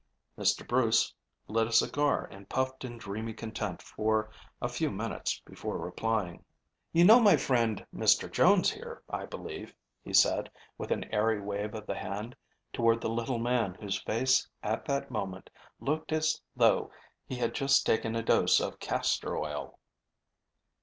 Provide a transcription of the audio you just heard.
Mr. Bruce lit a cigar and puffed in dreamy content for a few minutes before replying. "You know my friend Mr. Jones here, I believe?" he said, with an airy wave of the hand toward the little man whose face at that moment looked as though he had just taken a dose of castor oil.